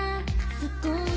「すっごい